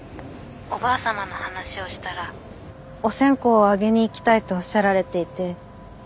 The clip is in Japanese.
おばあ様の話をしたらお線香をあげに行きたいとおっしゃられていて。